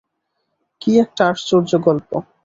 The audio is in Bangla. কী একটা আশ্চর্য গল্প!